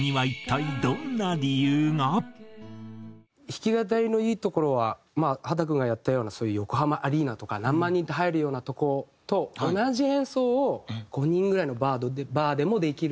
弾き語りのいいところはまあ秦君がやったようなそういう横浜アリーナとか何万人って入るようなとこと同じ演奏を５人ぐらいのバーでもできるし。